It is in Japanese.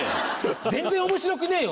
全然面白くねえよ！